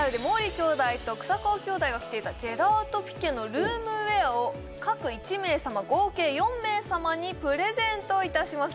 兄弟と草川兄弟が着ていたジェラートピケのルームウエアを各１名様合計４名様にプレゼントいたします